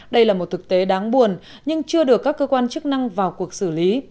đây là một thực tế đáng buồn nhưng chưa được các cơ quan chức năng vào cuộc xử lý